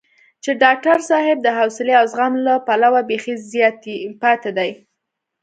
چې ډاکټر صاحب د حوصلې او زغم له پلوه بېخي پاتې دی.